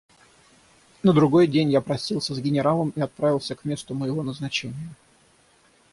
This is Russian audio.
На другой день я простился с генералом и отправился к месту моего назначения.